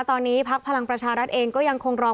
ตอนนี้พักพลังประชารัฐเองก็ยังคงรอ